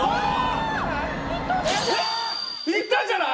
いったんじゃない？